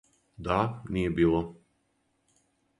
Да, није било.